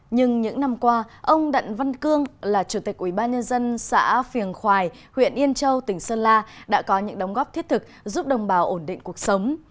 nhưng những năm qua ông đặng văn cương là chủ tịch ủy ban nhân dân xã phiền khoài huyện yên châu tỉnh sơn la đã có những đóng góp thiết thực giúp đồng bào ổn định cuộc sống